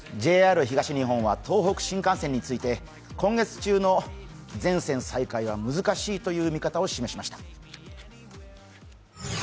ＪＲ東日本は東北新幹線について今月中の全線再開は難しいという見方を示しました。